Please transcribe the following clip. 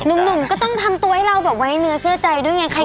หนุ่มก็ต้องทำตัวให้เราแบบไว้เนื้อเชื่อใจด้วยไง